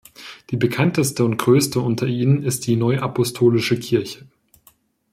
Die bekannteste und größte unter ihnen ist die Neuapostolische Kirche.